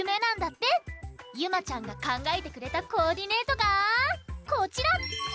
ゆまちゃんがかんがえてくれたコーディネートがこちら！